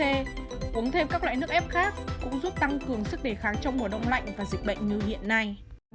e uống thêm các loại nước ép khác cũng giúp tăng cường sức đề kháng trong mùa đông lạnh và dịch bệnh như hiện nay